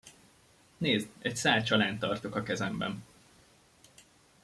Nézd, egy szál csalánt tartok a kezemben.